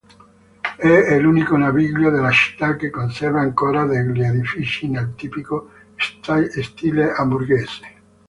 È l'unico naviglio della città che conserva ancora degli edifici nel tipico stile amburghese.